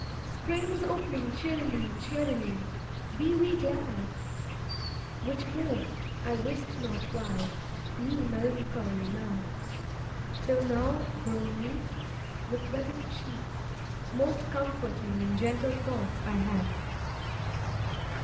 'Spring's opening cheerily, cheerily! be we glad!' Which moved, I wist not why, me melancholy mad, Till now, grown meek, With wetted cheek, Most comforting and gentle thoughts I had.